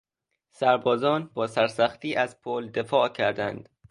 سربازان با سرسختی از پل دفاع کردند.